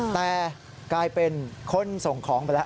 แต่กลายเป็นคนส่งของไปแล้ว